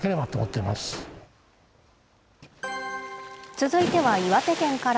続いては、岩手県から。